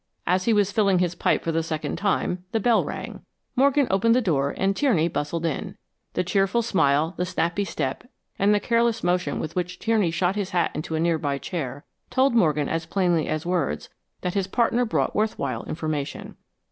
As he was filling his pipe for the second time, the bell rang. Morgan opened the door and Tierney bustled in. The cheerful smile, the snappy step, and the careless motion with which Tierney shot his hat into a nearby chair, told Morgan as plainly as words, that his partner brought worth while information.